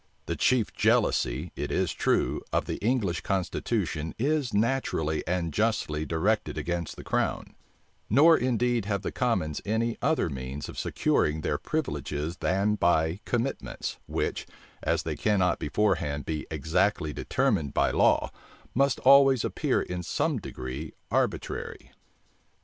The chief jealousy, it is true, of the English constitution is naturally and justly directed against the crown; nor indeed have the commons any other means of securing their privileges than by commitments, which, as they cannot beforehand be exactly determined by law, must always appear in some degree arbitrary.